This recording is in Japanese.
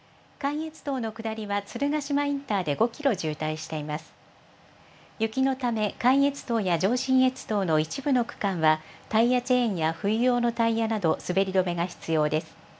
雪のため、関越道や上信越道の一部の区間は、タイヤチェーンや冬用のタイヤなど、滑り止めが必要です。